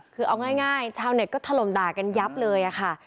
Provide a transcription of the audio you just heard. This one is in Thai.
คือเอาง่ายชาวเน็ตก็ถล่มด่ากันยับเลยค่ะ